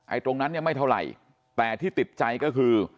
ตรงนั้นเนี่ยไม่เท่าไหร่แต่ที่ติดใจก็คือ